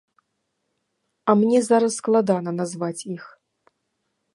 А мне зараз складана назваць іх.